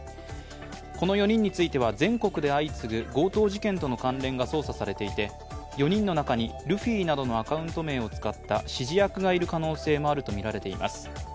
この４人については、全国で相次ぐ強盗事件との関連が捜査されていて、４人の中にルフィなどのアカウント名を使った指示役がいる可能性もあるとみられています。